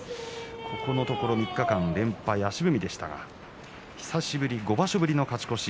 ここのところ３日間連敗で足踏みでしたが、久しぶりに５場所ぶりの勝ち越し。